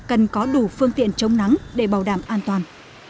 cần có đủ phương tiện chống nắng để bảo đảm an toàn